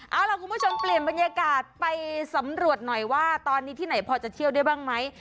เอาล่ะคุณผู้ชมเปลี่ยนบรรยากาศไปสำรวจหน่อยว่าตอนนี้ที่ไหนพอจะเที่ยวได้บ้างไหม